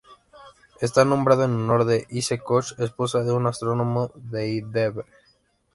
Está nombrado en honor de Ise Koch, esposa de un astrónomo de Heidelberg.